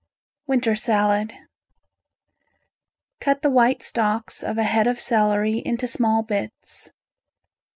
Winter Salad Cut the white stalks of a head of celery into small bits.